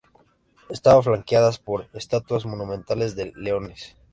Estaban flanqueadas por estatuas monumentales de leones.